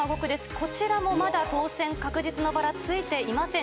こちらもまだ当選確実のバラ、ついていません。